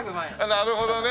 なるほどね。